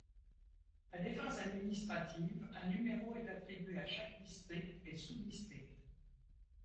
À des fins administratives, un numéro est attribué à chaque district et sous-district.